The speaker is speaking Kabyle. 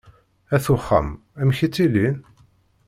At uxxam, amek i ttilin?